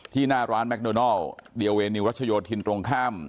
ที่หน้าร้านแมคโนโนลดีโอเวนิวรัชโยธทินตรงข้าม